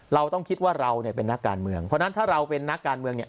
เราต้องคิดว่าเราเนี่ยเป็นนักการเมืองเพราะฉะนั้นถ้าเราเป็นนักการเมืองเนี่ย